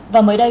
và mới đây